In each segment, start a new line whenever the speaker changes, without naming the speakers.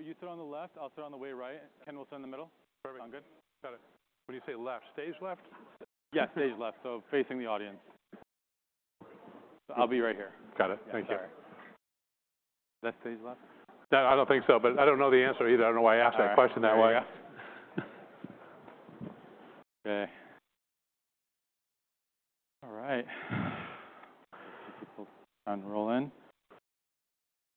Well, you sit on the left, I'll sit on the way right, and Ken will sit in the middle.
Perfect.
Sound good?
Got it. When you say left, stage left?
Yeah, stage left, so facing the audience. I'll be right here.
Got it. Thank you.
Yeah, sorry. That stage left?
No, I don't think so, but I don't know the answer either. I don't know why I asked that question that way.
Okay. All right. We're rolling.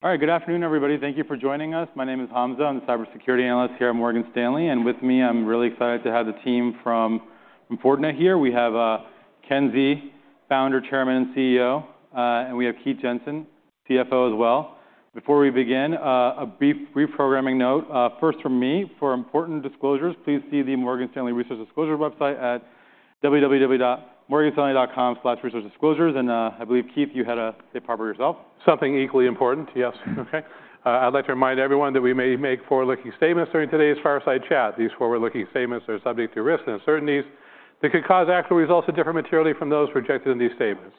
All right, good afternoon, everybody. Thank you for joining us. My name is Hamza. I'm the cybersecurity analyst here at Morgan Stanley, and with me, I'm really excited to have the team from Fortinet here. We have Ken Xie, Founder, Chairman, and CEO, and we have Keith Jensen, CFO, as well. Before we begin, a brief programming note, first from me. For important disclosures, please see the Morgan Stanley Research Disclosure website at www.morganstanley.com/researchdisclosures. And I believe, Keith, you had a statement yourself.
Something equally important, yes. Okay. I'd like to remind everyone that we may make forward-looking statements during today's fireside chat. These forward-looking statements are subject to risks and uncertainties that could cause actual results to differ materially from those projected in these statements.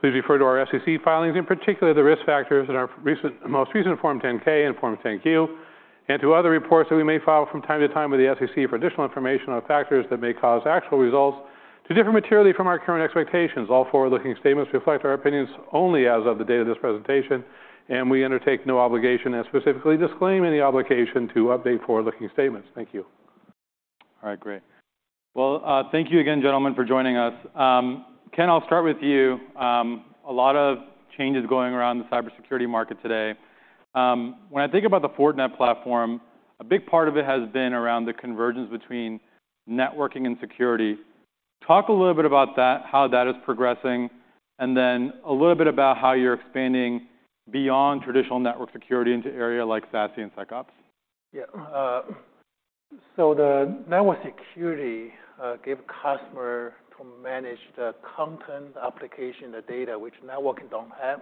Please refer to our SEC filings, and particularly the risk factors in our most recent Form 10-K and Form 10-Q, and to other reports that we may file from time to time with the SEC for additional information on factors that may cause actual results to differ materially from our current expectations. All forward-looking statements reflect our opinions only as of the date of this presentation, and we undertake no obligation and specifically disclaim any obligation to update forward-looking statements. Thank you.
All right, great. Well, thank you again, gentlemen, for joining us. Ken, I'll start with you. A lot of changes going around the cybersecurity market today. When I think about the Fortinet platform, a big part of it has been around the convergence between networking and security. Talk a little bit about that, how that is progressing, and then a little bit about how you're expanding beyond traditional network security into areas like SASE and SecOps.
Yeah. So the network security give customer to manage the content, application, the data which networking don't have.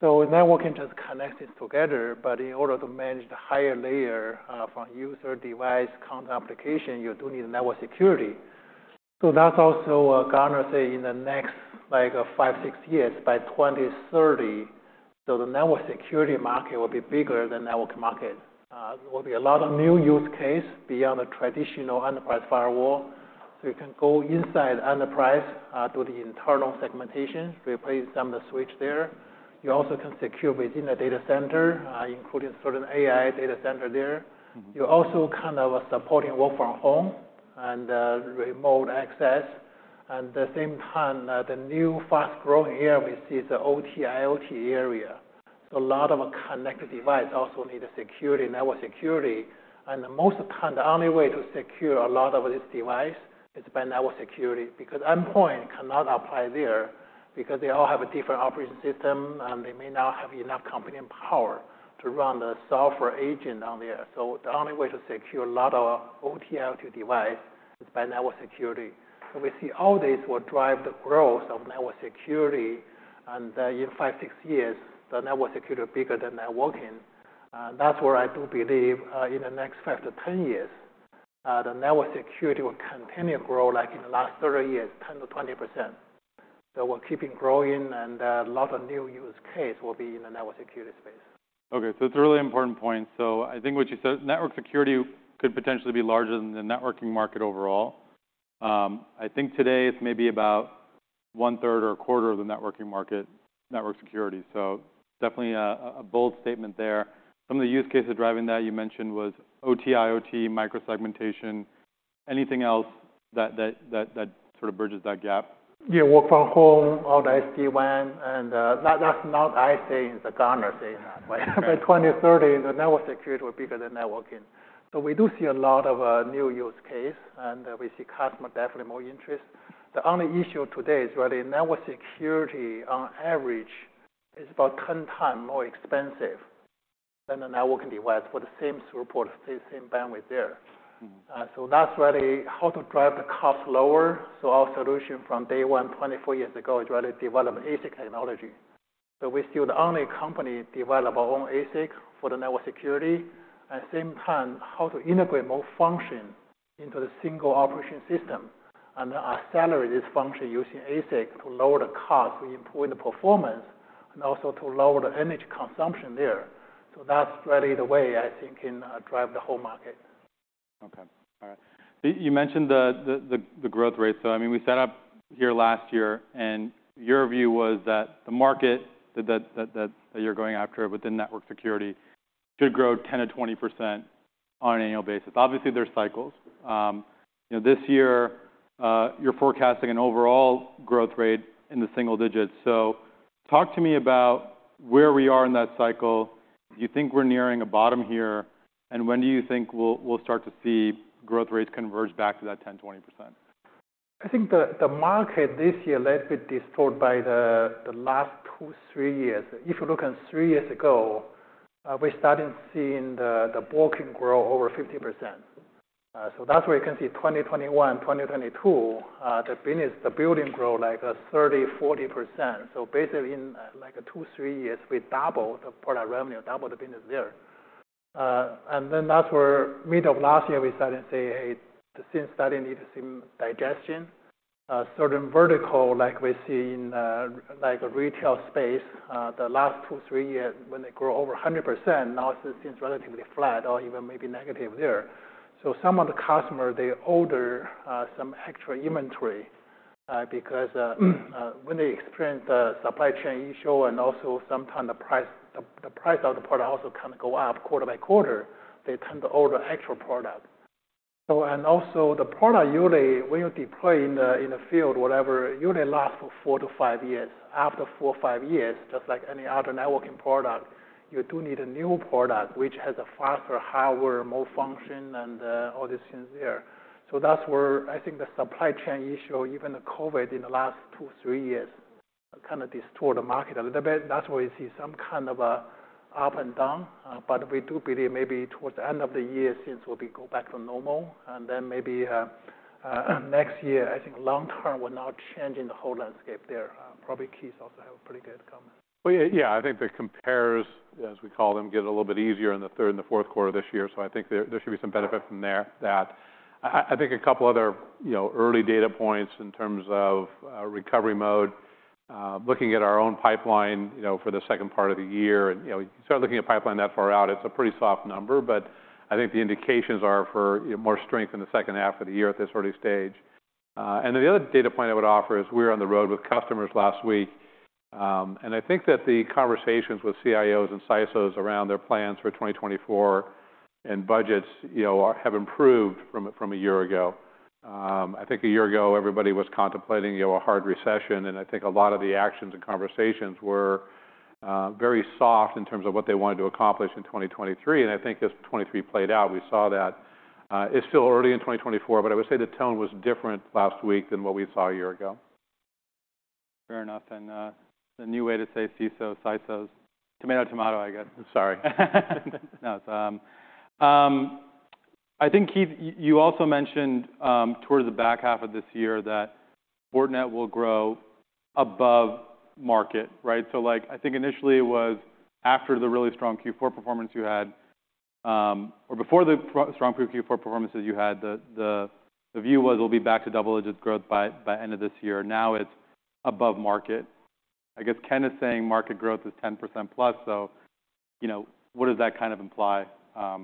So networking just connects it together, but in order to manage the higher layer from user, device, content, application, you do need network security. So that's also Gartner say in the next, like, five, six years, by 2030, so the network security market will be bigger than network market. There will be a lot of new use case beyond the traditional enterprise firewall, so you can go inside enterprise do the internal segmentation, replace some of the switch there. You also can secure within a data center, including certain AI data center there.
Mm-hmm.
You're also kind of supporting work from home and remote access. At the same time, the new fast-growing area we see is the OT/IoT area. So a lot of connected devices also need security, network security. And most of the time, the only way to secure a lot of these devices is by network security, because endpoints cannot apply there because they all have a different operating system, and they may not have enough computing power to run the software agent on there. So the only way to secure a lot of OT/IoT devices is by network security. So we see all this will drive the growth of network security, and in five, six years, the network security is bigger than networking. That's where I do believe, in the next five to 10 years, the network security will continue to grow like in the last 30 years, 10%-20%. So we're keeping growing, and a lot of new use case will be in the network security space.
Okay, so it's a really important point. I think what you said, network security could potentially be larger than the networking market overall. I think today it's maybe about 1/3 or 1/4 of the networking market, network security, so definitely a bold statement there. Some of the use cases driving that you mentioned was OT/IoT, micro-segmentation. Anything else that sort of bridges that gap?
Yeah, work from home, all the SD-WAN, and that's not I say, it's the Gartner saying that.
Right.
By 2030, the network security will be bigger than networking. So we do see a lot of new use case, and we see customer definitely more interest. The only issue today is, really, network security, on average, is about 10x more expensive than the networking device for the same throughput, the same bandwidth there.
Mm-hmm.
So that's really how to drive the cost lower. So our solution from day one, 24 years ago, is really develop ASIC technology. So we're still the only company develop our own ASIC for the network security, and same time, how to integrate more function into the single operating system and accelerate this function using ASIC to lower the cost, we improve the performance, and also to lower the energy consumption there. So that's really the way, I think, can drive the whole market.
Okay. All right. You mentioned the growth rate. So I mean, we set up here last year, and your view was that the market that you're going after within network security should grow 10%-20% on an annual basis. Obviously, there's cycles. You know, this year, you're forecasting an overall growth rate in the single digits. So talk to me about where we are in that cycle. Do you think we're nearing a bottom here? And when do you think we'll start to see growth rates converge back to that 10%-20%?
I think the market this year a little bit distorted by the last two, three years. If you look at three years ago, we started seeing the bookings grow over 50%. So that's where you can see 2021, 2022, the business, the billings grow, like, 30%, 40%. So basically in, like, two, three years, we double the product revenue, double the business there. And then that's where mid of last year we started to say, hey, this thing's starting to need some digestion. Certain verticals, like we see in, like a retail space, the last two, three years when they grow over 100%, now it seems relatively flat or even maybe negative there. So some of the customer, they order some extra inventory because when they experience the supply chain issue and also sometime the price, the price of the product also kind of go up quarter by quarter, they tend to order extra product. And also the product usually when you deploy in the field, whatever, usually last for four to five years. After four or five years, just like any other networking product, you do need a new product, which has a faster, higher, more function and all these things there. So that's where I think the supply chain issue, even the COVID in the last two, three years, kind of distort the market a little bit. That's why you see some kind of a up and down. But we do believe maybe towards the end of the year, things will be go back to normal. And then maybe, next year, I think long term will not change in the whole landscape there. Probably Keith also have a pretty good comment.
Well, yeah, I think the compares, as we call them, get a little bit easier in the third and the fourth quarter this year, so I think there, there should be some benefit from there-that. I think a couple other, you know, early data points in terms of recovery mode, looking at our own pipeline, you know, for the second part of the year, and, you know, we start looking at pipeline that far out, it's a pretty soft number, but I think the indications are for, you know, more strength in the second half of the year at this early stage. The other data point I would offer is we're on the road with customers last week, and I think that the conversations with CIOs and CISOs around their plans for 2024 and budgets, you know, have improved from a year ago. I think a year ago, everybody was contemplating, you know, a hard recession, and I think a lot of the actions and conversations were very soft in terms of what they wanted to accomplish in 2023. And I think as 2023 played out, we saw that. It's still early in 2024, but I would say the tone was different last week than what we saw a year ago.
Fair enough, and the new way to say CISO, CISOs, tomato, tomato, I guess.
Sorry.
No, it's, I think, Keith, you also mentioned, towards the back half of this year that Fortinet will grow above market, right? So, like, I think initially it was after the really strong Q4 performance you had, or before the strong Q4 performances you had, the view was we'll be back to double-digit growth by, end of this year. Now, it's above market. I guess Ken is saying market growth is 10%+, so, you know, what does that kind of imply,
I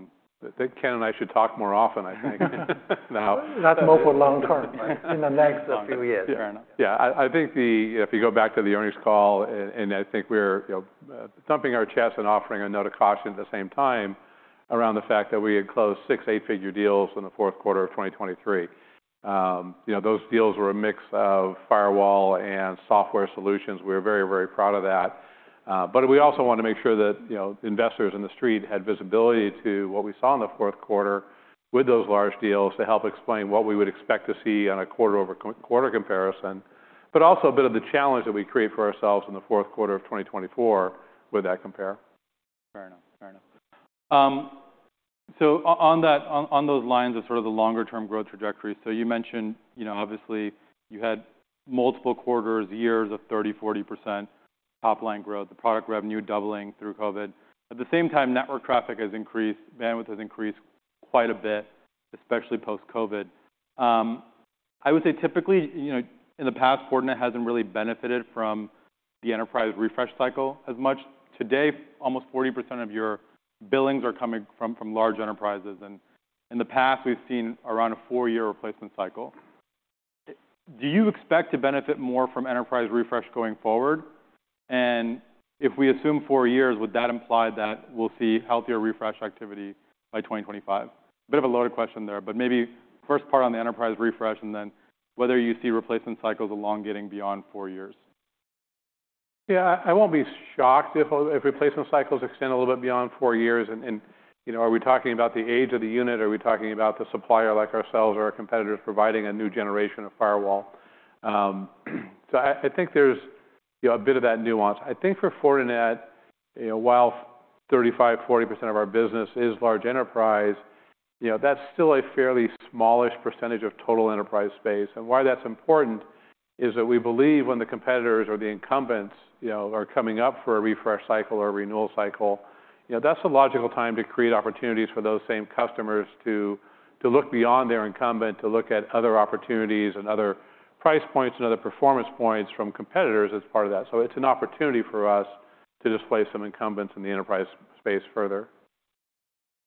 think Ken and I should talk more often, I think, now.
Not more for long term, in the next few years.
Fair enough.
Yeah, I think if you go back to the earnings call, I think we're, you know, thumping our chest and offering a note of caution at the same time around the fact that we had closed six eight-figure deals in the fourth quarter of 2023. You know, those deals were a mix of firewall and software solutions. We're very, very proud of that. But we also want to make sure that, you know, investors on the street had visibility to what we saw in the fourth quarter with those large deals to help explain what we would expect to see on a quarter-over-quarter comparison, but also a bit of the challenge that we create for ourselves in the fourth quarter of 2024 with that compare.
Fair enough. Fair enough. So on those lines of sort of the longer-term growth trajectory, so you mentioned, you know, obviously, you had multiple quarters, years of 30, 40% top line growth, the product revenue doubling through COVID. At the same time, network traffic has increased, bandwidth has increased quite a bit, especially post-COVID. I would say typically, you know, in the past, Fortinet hasn't really benefited from the enterprise refresh cycle as much. Today, almost 40% of your billings are coming from large enterprises, and in the past, we've seen around a four-year replacement cycle. Do you expect to benefit more from enterprise refresh going forward? And if we assume four years, would that imply that we'll see healthier refresh activity by 2025? A bit of a loaded question there, but maybe first part on the enterprise refresh, and then whether you see replacement cycles along getting beyond four years.
Yeah, I, I won't be shocked if replacement cycles extend a little bit beyond four years. And, you know, are we talking about the age of the unit? Are we talking about the supplier, like ourselves or our competitors, providing a new generation of firewall? So I think there's, you know, a bit of that nuance. I think for Fortinet, you know, while 35%-40% of our business is large enterprise, you know, that's still a fairly smallish percentage of total enterprise space. Why that's important is that we believe when the competitors or the incumbents, you know, are coming up for a refresh cycle or renewal cycle, you know, that's a logical time to create opportunities for those same customers to, to look beyond their incumbent, to look at other opportunities and other price points and other performance points from competitors as part of that. So it's an opportunity for us to displace some incumbents in the enterprise space further.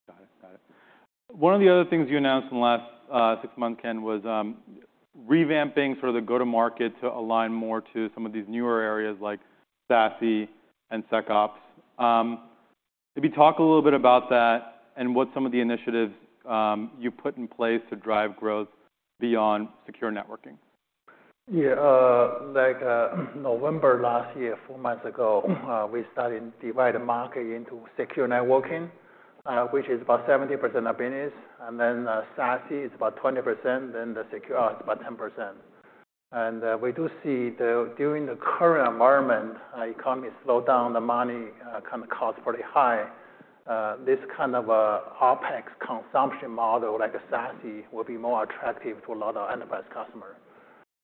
Got it. Got it. One of the other things you announced in the last six months, Ken, was revamping sort of the go-to-market to align more to some of these newer areas like SASE and SecOps. Could you talk a little bit about that and what some of the initiatives you put in place to drive growth beyond secure networking?
Yeah, like, November last year, four months ago, we started divide the market into secure networking, which is about 70% of business, and then, SASE is about 20%, then the Secure, it's about 10%. And, we do see during the current environment, economy slow down, the money kind of cost pretty high, this kind of, OpEx consumption model, like a SASE, will be more attractive to a lot of enterprise customer.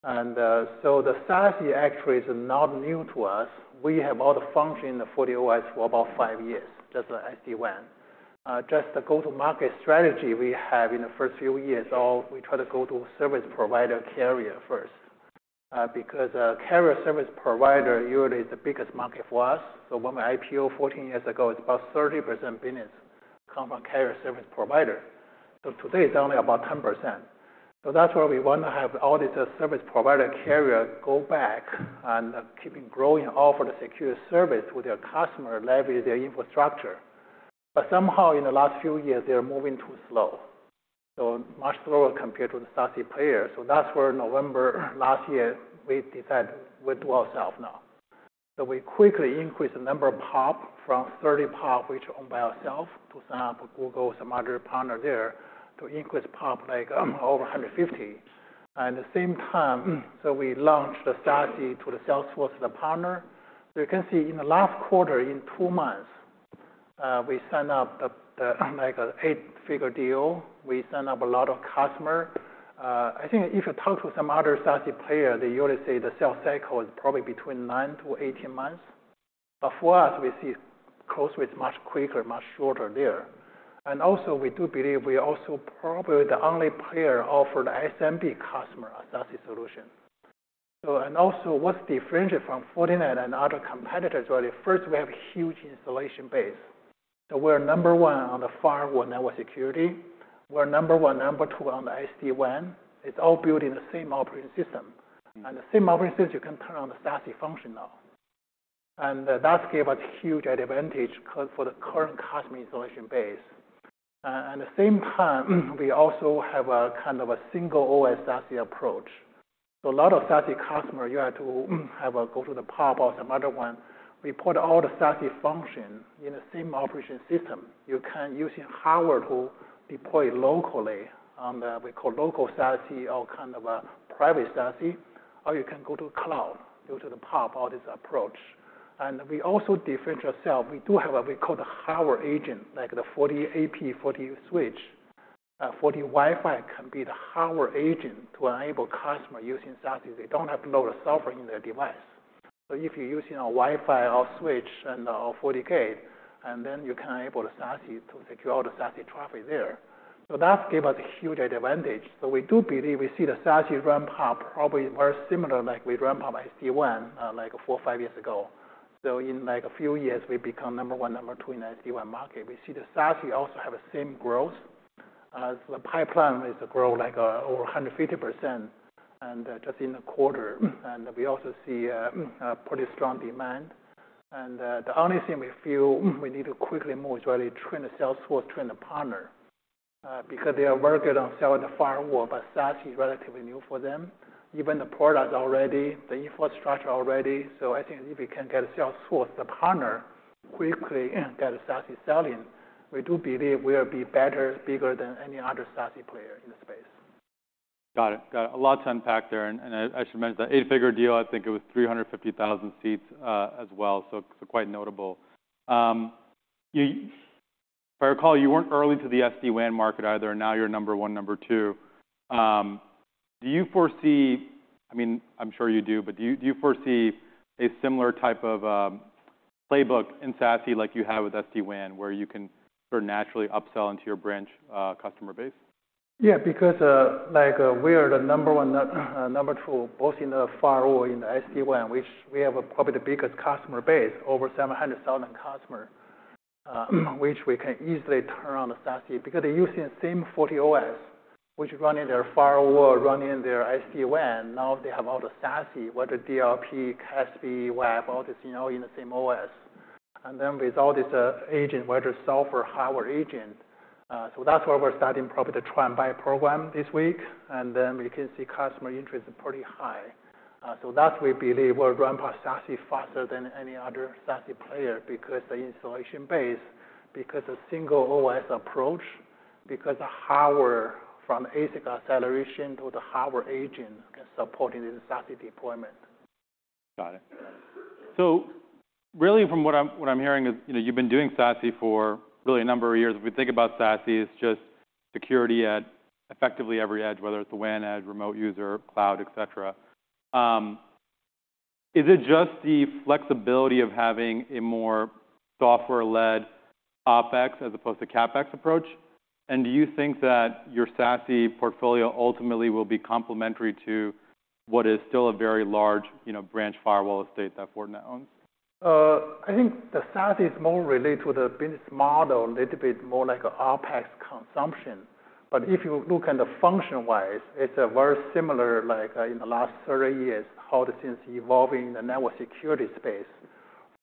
And, so the SASE actually is not new to us. We have all the function in the FortiOS for about five years, just as SD-WAN, just the go-to-market strategy we have in the first few years, so we try to go to service provider carrier first. Because a carrier service provider usually is the biggest market for us. So when we IPO 14 years ago, it's about 30% business come from carrier service provider. So today, it's only about 10%. So that's why we want to have all the service provider carrier go back and keeping growing, offer the secure service to their customer, leverage their infrastructure. But somehow, in the last few years, they are moving too slow, so much slower compared to the SASE player. So that's where November, last year, we decided we do ourselves now. So we quickly increased the number of PoP from 30 PoP, which are owned by ourselves, to sign up with Google, some other partner there, to increase PpP, like, over 150. And the same time, so we launched the SASE to the Salesforce, the partner. So you can see in the last quarter, in two months, we signed up like an eight-figure deal. We signed up a lot of customer. I think if you talk to some other SASE player, they usually say the sales cycle is probably between nine to 18 months, but for us, we see close with much quicker, much shorter there. And also, we do believe we are also probably the only player offering SMB customer a SASE solution. So, and also, what's different from Fortinet and other competitors, well, first, we have a huge installation base. So we're number one on the firewall network security. We're number one, number two, on the SD-WAN. It's all built in the same operating system. And the same operating system, you can turn on the SASE function now. That gave us huge advantage for the current customer installation base. And at the same time, we also have a kind of a single OS SASE approach. So a lot of SASE customer, you have to have a go to the PoOP or some other one. We put all the SASE function in the same operating system. You can using hardware to deploy locally on the, we call local SASE, or kind of a private SASE, or you can go to cloud, go to the PoP, all this approach. And we also differentiate ourselves. We do have what we call the hardware agent, like the FortiAP, FortiSwitch. FortiWiFi can be the hardware agent to enable customer using SASE. They don't have to load the software in their device. So if you're using a Wi-Fi or switch and, or FortiGate, and then you can enable the SASE to secure all the SASE traffic there. So that gave us a huge advantage. So we do believe we see the SASE ramp up, probably very similar, like we ramp up SD-WAN, like four, five years ago. So in, like, a few years, we become number one, number two in SD-WAN market. We see the SASE also have the same growth. So the pipeline is grow, like, over 150% and, just in a quarter. And we also see, pretty strong demand. The only thing we feel we need to quickly move is really train the sales force, train the partner, because they are very good on selling the firewall, but SASE is relatively new for them, even the product already, the infrastructure already. So I think if we can get a sales force, the partner, quickly get a SASE selling, we do believe we'll be better, bigger than any other SASE player in the space.
Got it. Got a lot to unpack there, and I should mention the eight-figure deal. I think it was 350,000 seats as well, so quite notable. You, if I recall, you weren't early to the SD-WAN market either. Now you're number one, number two. Do you foresee—I mean, I'm sure you do, but do you foresee a similar type of playbook in SASE like you have with SD-WAN, where you can sort of naturally upsell into your branch customer base?
Yeah, because, like, we are the number one, number two, both in the firewall, in the SD-WAN, which we have probably the biggest customer base, over 700,000 customer, which we can easily turn on the SASE because they're using the same FortiOS, which run in their firewall, run in their SD-WAN. Now they have all the SASE, whether DLP, CASB, Web, all this, you know, in the same OS. And then with all this, agent, whether software, hardware agent. So that's why we're starting probably the try and buy program this week, and then we can see customer interest is pretty high. So that we believe will ramp up SASE faster than any other SASE player, because the installation base, because the single OS approach, because the hardware from ASIC acceleration to the hardware agent can support in the SASE deployment.
Got it. So really, from what I'm hearing is, you know, you've been doing SASE for really a number of years. If we think about SASE, it's just security at effectively every edge, whether it's the WAN, edge, remote user, cloud, et cetera. Is it just the flexibility of having a more software-led OpEx as opposed to CapEx approach? And do you think that your SASE portfolio ultimately will be complementary to what is still a very large, you know, branch firewall estate that Fortinet owns?
I think the SASE is more related to the business model, little bit more like a OpEx consumption. But if you look at the function-wise, it's a very similar, like, in the last 30 years, how the things evolving the network security space.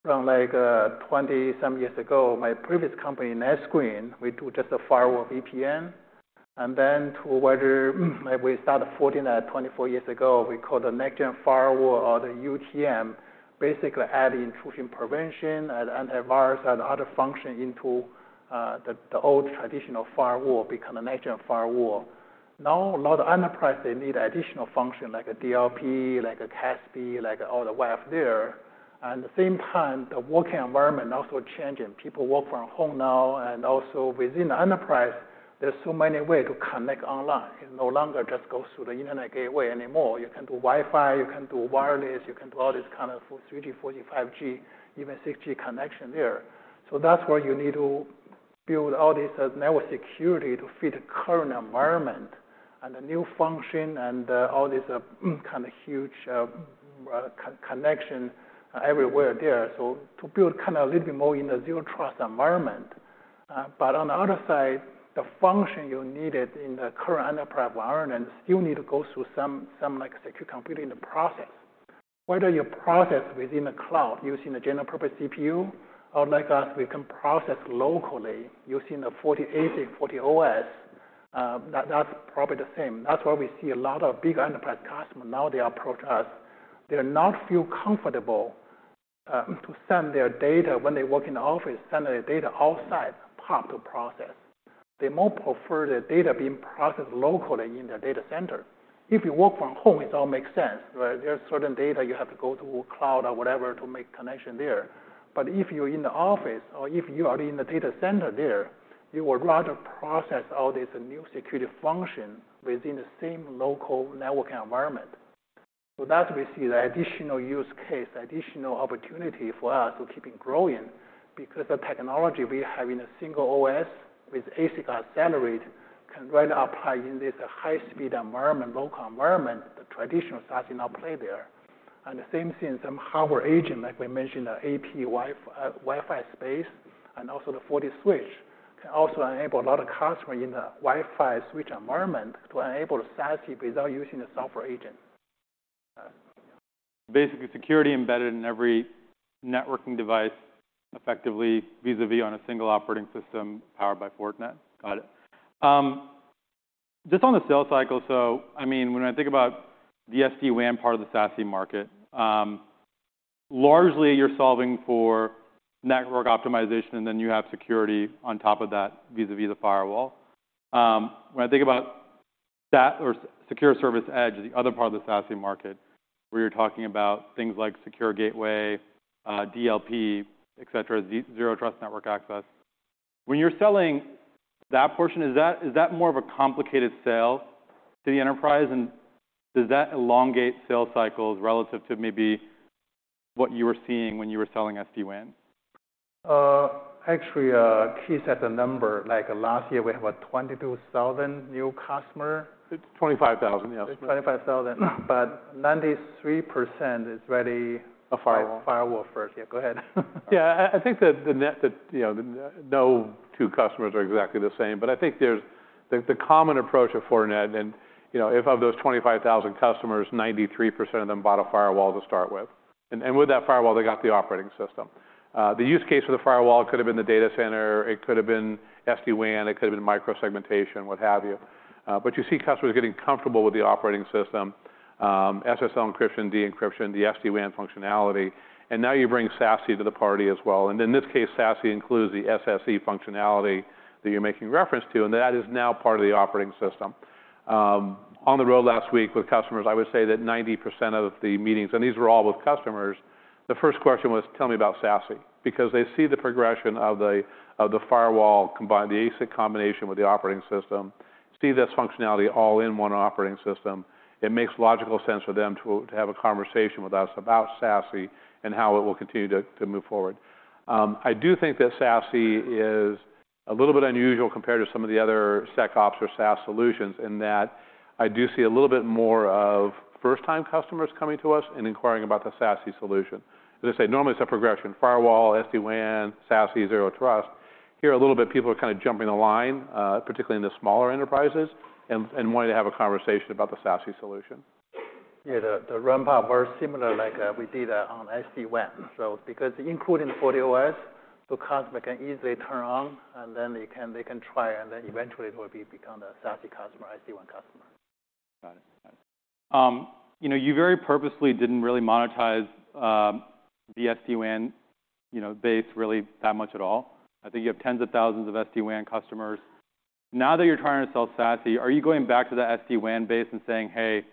From like, 20-some years ago, my previous company, NetScreen, we do just a firewall VPN. And then we started Fortinet 24 years ago, we call the next-gen firewall or the UTM, basically add intrusion prevention and antivirus and other function into the old traditional firewall become a next-gen firewall. Now, a lot of enterprise, they need additional function, like a DLP, like a CASB, like all the WAF there. And the same time, the working environment also changing. People work from home now, and also within the enterprise, there's so many way to connect online. It no longer just goes through the internet gateway anymore. You can do Wi-Fi, you can do wireless, you can do all this kind of for 3G, 4G, 5G, even 6G connection there. So that's where you need to build all this network security to fit the current environment, and the new function, and, all this, kind of huge, connection everywhere there. So to build kind of a little bit more in the Zero Trust environment. But on the other side, the function you needed in the current enterprise environment, you need to go through some, like, security computing process. Whether you process within the cloud using a general purpose CPU, or like us, we can process locally using the FortiASIC, FortiOS, that's probably the same. That's why we see a lot of big enterprise customer now they approach us. They're not feel comfortable to send their data when they work in the office, send their data outside out to process. They more prefer the data being processed locally in their data center. If you work from home, it all makes sense, right? There are certain data you have to go to cloud or whatever to make connection there. But if you're in the office or if you are in the data center there, you would rather process all this new security function within the same local networking environment. So that we see the additional use case, additional opportunity for us to keeping growing, because the technology we have in a single OS with ASIC accelerate can well apply in this high speed environment, local environment, the traditional SASE not play there. The same thing, some hardware agent, like we mentioned, the AP Wi-Fi space and also the FortiSwitch, can also enable a lot of customer in the Wi-Fi switch environment to enable SASE without using the software agent.
Basically, security embedded in every networking device, effectively, vis-à-vis on a single operating system powered by Fortinet? Got it. Just on the sales cycle, so, I mean, when I think about the SD-WAN part of the SASE market, largely, you're solving for network optimization, and then you have security on top of that, vis-à-vis the firewall. When I think about that or Secure Service Edge, the other part of the SASE market, where you're talking about things like secure gateway, DLP, et cetera, Zero Trust network access. When you're selling that portion, is that, is that more of a complicated sale to the enterprise? And does that elongate sales cycles relative to maybe what you were seeing when you were selling SD-WAN?
Actually, Keith said the number, like last year, we had about 22,000 new customer.
It's 25,000, yes.
It's 25,000, but 93% is really-
A firewall
A firewall first. Yeah, go ahead.
Yeah, I think that, you know, no two customers are exactly the same. But I think there's the common approach of Fortinet, and, you know, of those 25,000 customers, 93% of them bought a firewall to start with. And with that firewall, they got the operating system. The use case for the firewall could have been the data center, it could have been SD-WAN, it could have been micro-segmentation, what have you. But you see customers getting comfortable with the operating system, SSL encryption, the encryption, the SD-WAN functionality, and now you bring SASE to the party as well. And in this case, SASE includes the SSE functionality that you're making reference to, and that is now part of the operating system. On the road last week with customers, I would say that 90% of the meetings, and these were all with customers, the first question was, "Tell me about SASE." Because they see the progression of the firewall, combined the ASIC combination with the operating system, see this functionality all in one operating system. It makes logical sense for them to have a conversation with us about SASE and how it will continue to move forward. I do think that SASE is a little bit unusual compared to some of the other SecOps or SaaS solutions, in that I do see a little bit more of first-time customers coming to us and inquiring about the SASE solution. As I say, normally, it's a progression: firewall, SD-WAN, SASE, Zero Trust. Here, a little bit, people are kind of jumping the line, particularly in the smaller enterprises, and wanting to have a conversation about the SASE solution.
Yeah, the ramp up very similar, like, we did on SD-WAN. So because including FortiOS, so customer can easily turn on, and then they can try, and then eventually it will be become a SASE customer, SD-WAN customer.
Got it. Got it. You know, you very purposely didn't really monetize the SD-WAN, you know, base really that much at all. I think you have tens of thousands of SD-WAN customers. Now that you're trying to sell SASE, are you going back to the SD-WAN base and saying, "Hey,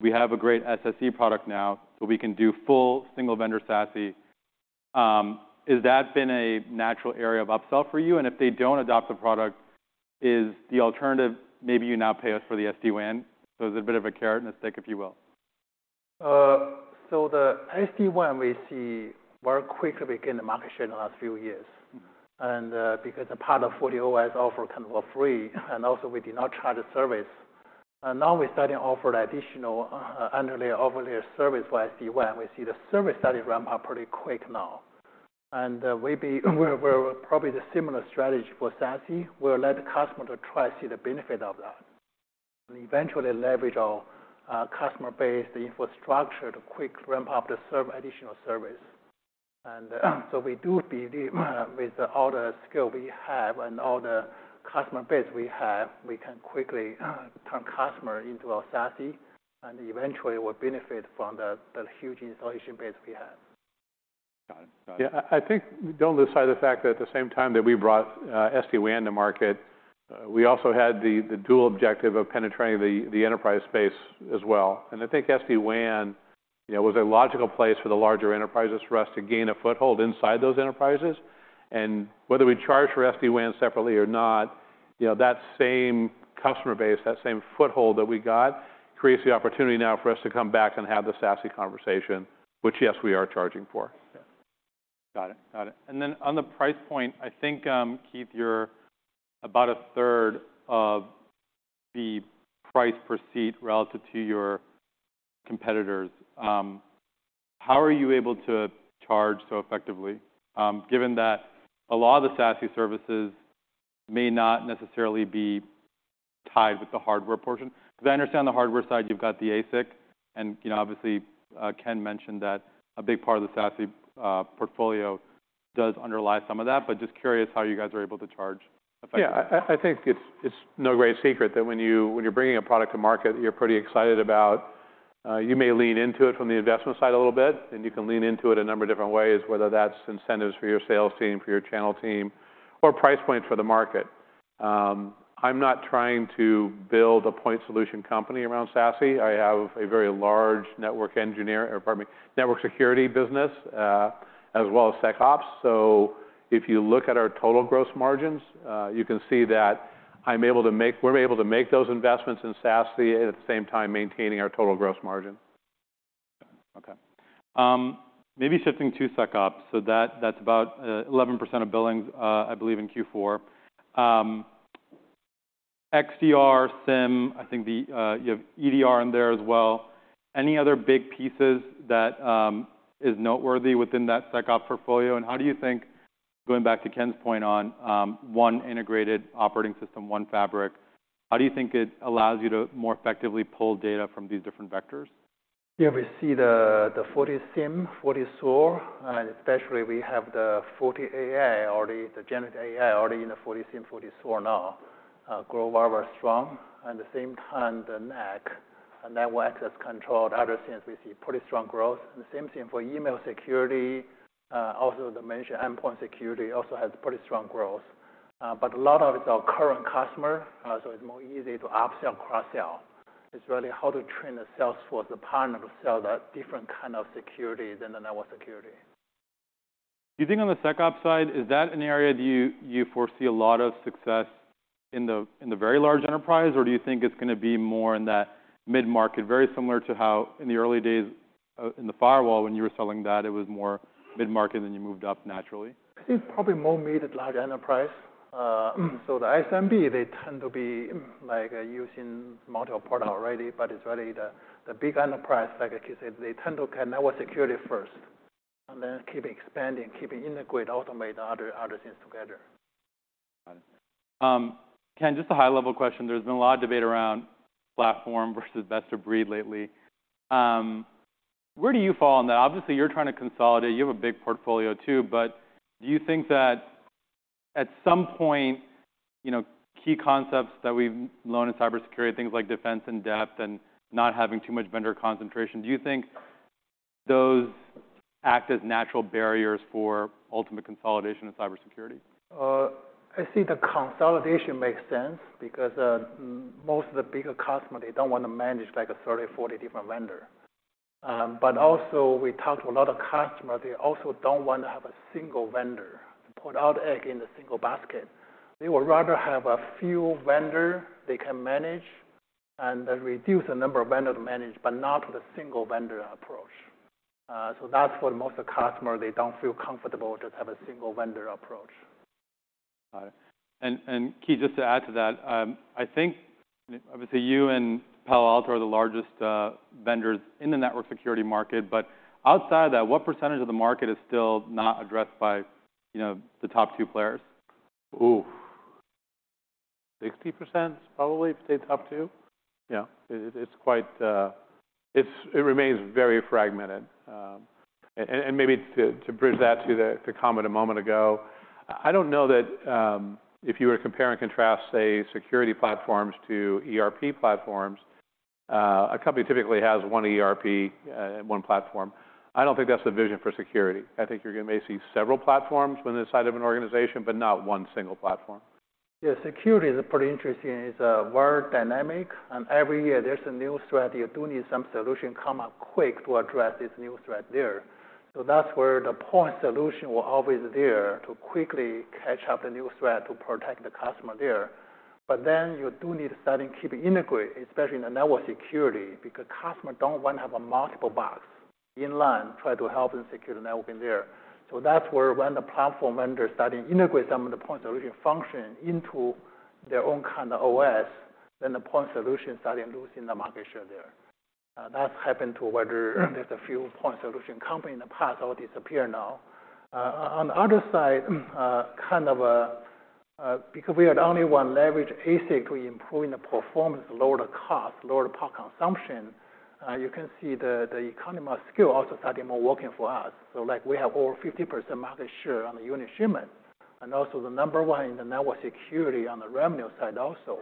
we have a great SSE product now, so we can do full single-vendor SASE?" Has that been a natural area of upsell for you? If they don't adopt the product, is the alternative maybe you now pay us for the SD-WAN, so it's a bit of a carrot and a stick, if you will?
So the SD-WAN, we see very quickly within the market share in the last few years.
Mm-hmm.
Because a part of FortiOS offer come for free, and also we did not charge the service. Now we're starting to offer additional underlay, overlay service for SD-WAN. We see the service steady ramp up pretty quick now. We're, we're probably the similar strategy for SASE. We'll let the customer to try to see the benefit of that, and eventually leverage our customer base, the infrastructure, to quick ramp up the additional service. So we do believe, with all the skill we have and all the customer base we have, we can quickly turn customer into our SASE, and eventually will benefit from the huge installation base we have.
Got it. Got it.
Yeah, I think despite the fact that at the same time that we brought SD-WAN to market, we also had the dual objective of penetrating the enterprise space as well. And I think SD-WAN, you know, was a logical place for the larger enterprises for us to gain a foothold inside those enterprises. And whether we charge for SD-WAN separately or not—you know, that same customer base, that same foothold that we got, creates the opportunity now for us to come back and have the SASE conversation, which, yes, we are charging for.
Got it. Got it. And then on the price point, I think, Keith, you're about 1/3 of the price per seat relative to your competitors. How are you able to charge so effectively, given that a lot of the SASE services may not necessarily be tied with the hardware portion? Because I understand the hardware side, you've got the ASIC, and, you know, obviously, Ken mentioned that a big part of the SASE portfolio does underlie some of that, but just curious how you guys are able to charge effectively.
Yeah, I think it's no great secret that when you're bringing a product to market you're pretty excited about, you may lean into it from the investment side a little bit, and you can lean into it a number of different ways, whether that's incentives for your sales team, for your channel team, or price point for the market. I'm not trying to build a point solution company around SASE. I have a very large network engineer, or pardon me, network security business, as well as SecOps. So if you look at our total gross margins, you can see that I'm able to make—we're able to make those investments in SASE, at the same time, maintaining our total gross margin.
Okay. Maybe shifting to SecOps, so that's about 11% of billings, I believe, in Q4. XDR, SIEM, I think the, you have EDR in there as well. Any other big pieces that is noteworthy within that SecOps portfolio? And how do you think, going back to Ken's point on, one integrated operating system, one fabric, how do you think it allows you to more effectively pull data from these different vectors?
Yeah, we see the FortiSIEM, FortiSOAR, and especially we have the FortiAI, already the generative AI, already in the FortiSIEM, FortiSOAR now, grow very strong. At the same time, the NAC, Network Access Control, other things we see pretty strong growth. The same thing for email security, also the mentioned endpoint security also has pretty strong growth. But a lot of it's our current customer, so it's more easy to upsell, cross-sell. It's really how to train the sales force, the partner to sell the different kind of securities and the network security.
Do you think on the SecOps side, is that an area do you foresee a lot of success in the very large enterprise, or do you think it's gonna be more in that mid-market? Very similar to how in the early days, in the firewall, when you were selling that, it was more mid-market, then you moved up naturally.
I think probably more mid to large enterprise. So the SMB, they tend to be like using multiple product already, but it's really the big enterprise, like I said, they tend to get network security first and then keep expanding, keeping integrate, automate other things together.
Got it. Ken, just a high-level question. There's been a lot of debate around platform versus best of breed lately. Where do you fall on that? Obviously, you're trying to consolidate. You have a big portfolio, too, but do you think that at some point, you know, key concepts that we've learned in cybersecurity, things like defense in depth and not having too much vendor concentration, do you think those act as natural barriers for ultimate consolidation in cybersecurity?
I think the consolidation makes sense because, most of the bigger customer, they don't want to manage, like, a 30-40 different vendor. But also, we talk to a lot of customer, they also don't want to have a single vendor, put all egg in a single basket. They would rather have a few vendor they can manage and reduce the number of vendors to manage, but not the single vendor approach. So that's what most of the customer, they don't feel comfortable just have a single vendor approach.
Got it. And, Keith, just to add to that, I think, obviously, you and Palo Alto are the largest vendors in the network security market, but outside that, what percentage of the market is still not addressed by, you know, the top two players?
Ooh, 60%, probably, if they top two. Yeah, it, it's quite... It remains very fragmented. And maybe to bridge that to the comment a moment ago, I don't know that if you were to compare and contrast, say, security platforms to ERP platforms, a company typically has one ERP, one platform. I don't think that's the vision for security. I think you're gonna may see several platforms within the inside of an organization, but not one single platform.
Yeah, security is pretty interesting. It's very dynamic, and every year there's a new threat. You do need some solution come up quick to address this new threat there. So that's where the point solution were always there, to quickly catch up the new threat to protect the customer there. But then you do need to start keeping integrate, especially in the network security, because customer don't want to have a multiple box in line, try to help them secure the network in there. So that's where when the platform vendor starting integrate some of the point solution function into their own kind of OS, then the point solution starting losing the market share there. That's happened to whether there's a few point solution company in the past, all disappear now. On the other side, kind of, because we are the only one leverage ASIC to improving the performance, lower the cost, lower the power consumption, you can see the, the economy of scale also starting more working for us. So like, we have over 50% market share on the unit shipment and also the number one in the network security on the revenue side also.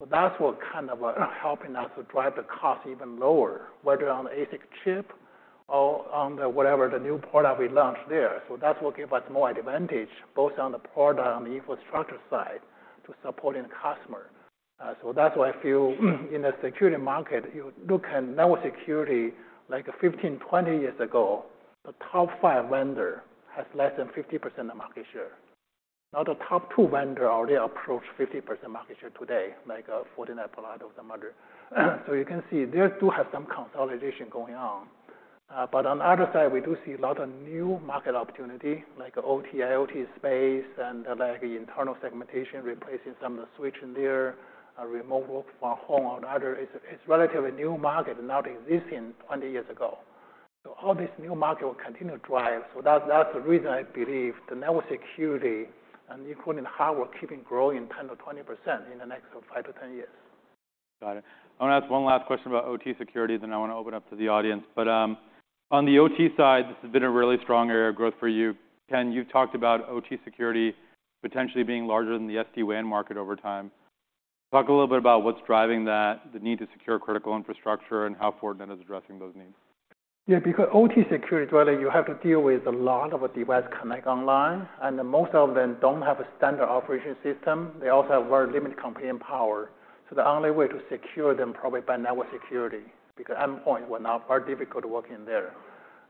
So that's what kind of, helping us to drive the cost even lower, whether on the ASIC chip or on the whatever the new product we launched there. So that will give us more advantage, both on the product, on the infrastructure side, to supporting the customer. So that's why I feel, in the security market, you look at network security, like 15, 20 years ago, the top five vendor has less than 50% of market share. Now, the top two vendor already approach 50% market share today, like Fortinet, Palo Alto, some other. So you can see they do have some consolidation going on. But on the other side, we do see a lot of new market opportunity, like OT/IoT space and like internal segmentation, replacing some of the switch in there, remote work from home or other. It's relatively new market, not existing 20 years ago. So all this new market will continue to drive. So that's the reason I believe the network security, and including hardware, keeping growing 10%-20% in the next five to 10 years.
Got it. I want to ask one last question about OT security, then I want to open up to the audience. But, on the OT side, this has been a really strong area of growth for you. Ken, you've talked about OT security potentially being larger than the SD-WAN market over time. Talk a little bit about what's driving that, the need to secure critical infrastructure and how Fortinet is addressing those needs.
Yeah, because OT security, whether you have to deal with a lot of devices connected online, and most of them don't have a standard operating system, they also have very limited computing power. So the only way to secure them is probably by network security, because endpoints are difficult working there.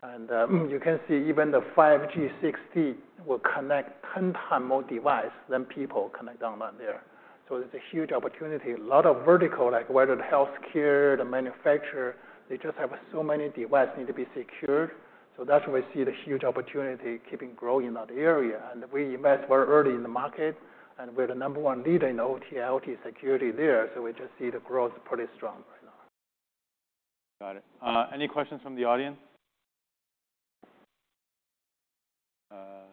And you can see even the 5G 60 will connect 10x more devices than people connect online there. So it's a huge opportunity. A lot of verticals, like whether the healthcare, the manufacturing, they just have so many devices need to be secured. So that's why we see the huge opportunity keeping growing in that area. And we invest very early in the market, and we're the number one leader in OT/IoT security there, so we just see the growth pretty strong right now.
Got it. Any questions from the audience? I'm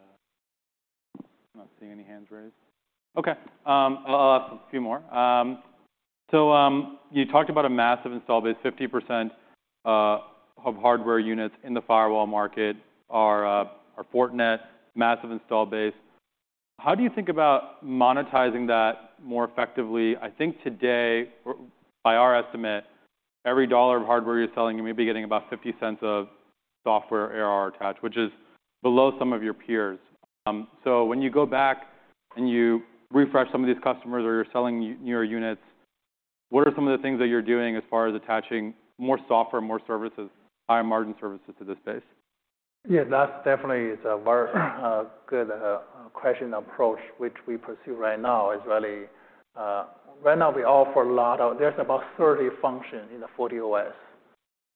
not seeing any hands raised. Okay, I'll ask a few more. So, you talked about a massive install base, 50% of hardware units in the firewall market are Fortinet massive install base. How do you think about monetizing that more effectively? I think today, or by our estimate, every $1 of hardware you're selling, you may be getting about $0.50 of software ARR attached, which is below some of your peers. So when you go back and you refresh some of these customers or you're selling newer units, what are some of the things that you're doing as far as attaching more software, more services, higher margin services to this space?
Yeah, that definitely is a very good question. Approach which we pursue right now is really. Right now, we offer a lot of—there's about 30 functions in the FortiOS.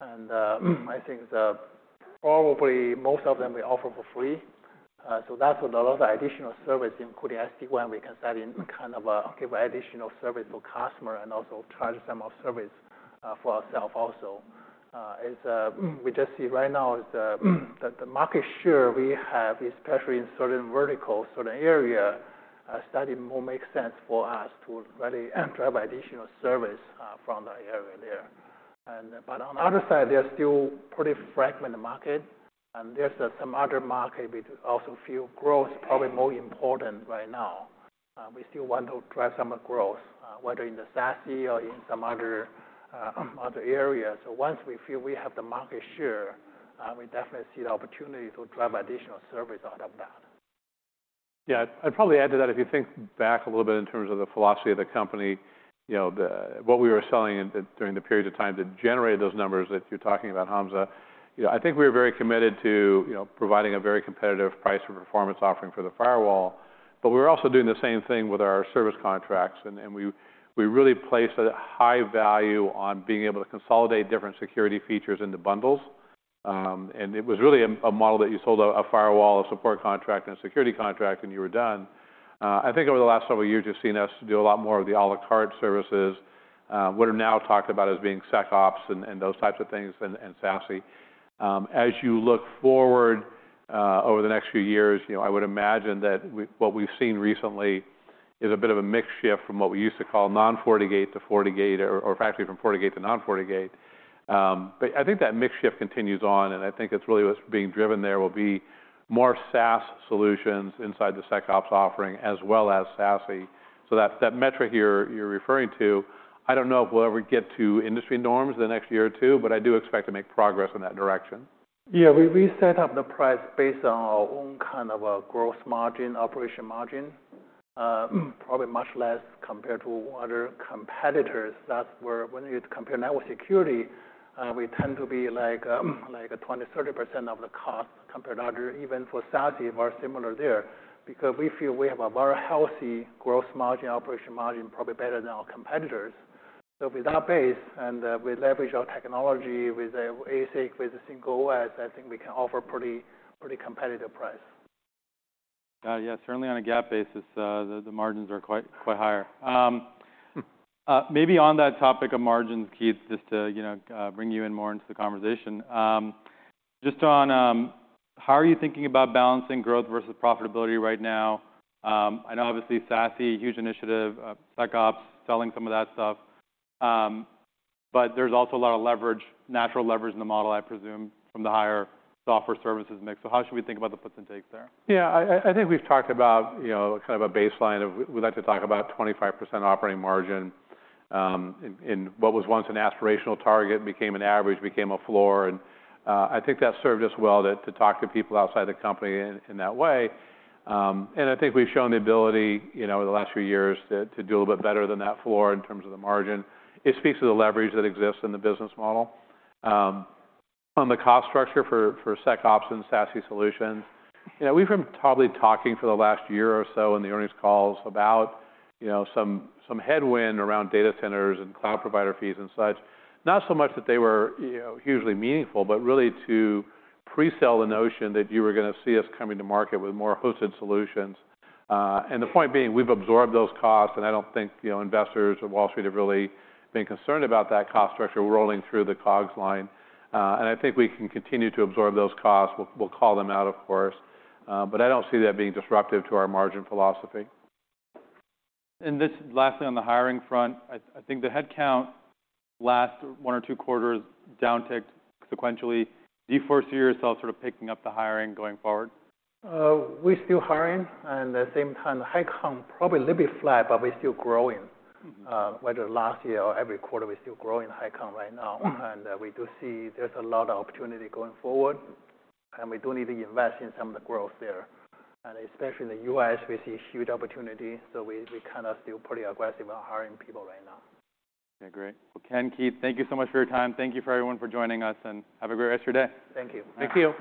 And, I think the—probably most of them we offer for free. So that's a lot of additional service, including SD-WAN. We can set in kind of give additional service for customer and also charge some of service for ourself also. It's we just see right now is the, the market share we have, especially in certain verticals, certain area, that it more makes sense for us to really drive additional service from the area there. And, but on the other side, there's still pretty fragmented market, and there's some other market we do also feel growth probably more important right now. We still want to drive some growth, whether in the SASE or in some other areas. So once we feel we have the market share, we definitely see the opportunity to drive additional service out of that.
Yeah, I'd probably add to that. If you think back a little bit in terms of the philosophy of the company, you know, what we were selling in during the period of time that generated those numbers that you're talking about, Hamza, you know, I think we were very committed to, you know, providing a very competitive price and performance offering for the firewall, but we were also doing the same thing with our service contracts. And we really placed a high value on being able to consolidate different security features into bundles. And it was really a model that you sold a firewall, a support contract, and a security contract, and you were done. I think over the last several years, you've seen us do a lot more of the à la carte services, what are now talked about as being SecOps and those types of things, and SASE. As you look forward, over the next few years, you know, I would imagine what we've seen recently is a bit of a mix shift from what we used to call non-FortiGate to FortiGate, or actually from FortiGate to non-FortiGate. But I think that mix shift continues on, and I think it's really what's being driven there will be more SaaS solutions inside the SecOps offering, as well as SASE. So that, that metric you're, you're referring to, I don't know if we'll ever get to industry norms in the next year or two, but I do expect to make progress in that direction.
Yeah, we set up the price based on our own kind of growth margin, operating margin. Probably much less compared to other competitors. That's where when you compare network security, we tend to be like 20%-30% of the cost compared to other... Even for SASE, we are similar there, because we feel we have a very healthy growth margin, operating margin, probably better than our competitors. So with that base and we leverage our technology with an ASIC, with a single OS, I think we can offer pretty, pretty competitive price.
Yeah, certainly on a GAAP basis, the margins are quite higher. Maybe on that topic of margins, Keith, just to, you know, bring you in more into the conversation. Just on how are you thinking about balancing growth versus profitability right now? I know obviously SASE, huge initiative, SecOps, selling some of that stuff. But there's also a lot of leverage, natural leverage in the model, I presume, from the higher software services mix. So how should we think about the puts and takes there?
Yeah, I think we've talked about, you know, kind of a baseline of we'd like to talk about 25% operating margin. In what was once an aspirational target, became an average, became a floor, and I think that served us well to talk to people outside the company in that way. And I think we've shown the ability, you know, over the last few years to do a little bit better than that floor in terms of the margin. It speaks to the leverage that exists in the business model. On the cost structure for SecOps and SASE solutions, you know, we've been probably talking for the last year or so in the earnings calls about, you know, some headwind around data centers and cloud provider fees and such. Not so much that they were, you know, hugely meaningful, but really to pre-sell the notion that you were going to see us coming to market with more hosted solutions. And the point being, we've absorbed those costs, and I don't think, you know, investors or Wall Street have really been concerned about that cost structure. We're rolling through the COGS line, and I think we can continue to absorb those costs. We'll, we'll call them out, of course, but I don't see that being disruptive to our margin philosophy.
Just lastly, on the hiring front, I think the headcount last one or two quarters downticked sequentially. Do you foresee yourself sort of picking up the hiring going forward?
We're still hiring, and at the same time, the headcount probably a little bit flat, but we're still growing. Whether last year or every quarter, we're still growing headcount right now. We do see there's a lot of opportunity going forward, and we do need to invest in some of the growth there. Especially in the U.S., we see huge opportunity, so we kind of feel pretty aggressive on hiring people right now.
Okay, great. Well, Ken, Keith, thank you so much for your time. Thank you for everyone for joining us, and have a great rest of your day.
Thank you.
Thank you.